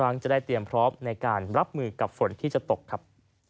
ครั้งจะได้เตรียมพร้อมในการรับมือกับฝนที่จะตกครับ